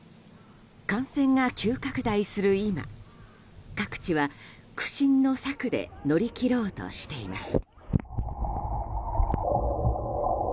感染が急拡大する今各地は苦心の策で乗り切ろうとしています。